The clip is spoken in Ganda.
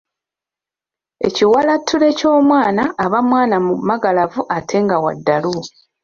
Ekiwalattule ky'omwana aba mwana mumagalavu ate nga wa ddalu.